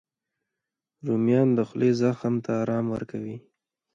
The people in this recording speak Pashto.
رومیان د خولې زخم ته ارام ورکوي